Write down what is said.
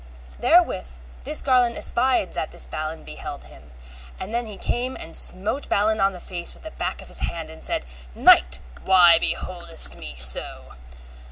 Therewith this Garlon espied that this Balin beheld him, and then he came and smote Balin on the face with the back of his hand, and said, Knight, why beholdest me so?